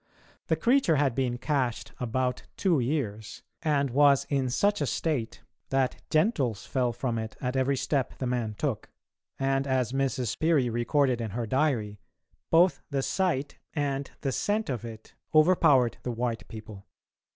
The creature had been "cached" about two years, and was in such a state that gentles fell from it at every step the man took, and, as Mrs. Peary recorded in her diary, both the sight and the scent of it overpowered the white people.